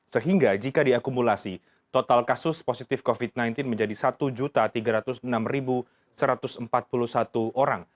sehingga jika diakumulasi total kasus positif covid sembilan belas menjadi satu tiga ratus enam satu ratus empat puluh satu orang